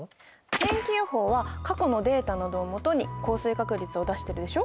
天気予報は過去のデータなどを基に降水確率を出してるでしょ？